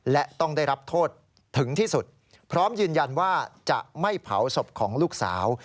และต้องได้รับโทษถึงที่สุดพร้อมยืนยันว่าจะไม่เผาศพของลูกสาว